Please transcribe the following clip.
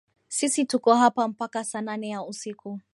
Sisi tuko hapa mpaka saa nane ya usiku